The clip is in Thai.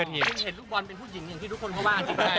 คุณเห็นลูกบอลเป็นผู้หญิงอย่างที่ทุกคนเขาว่าจริง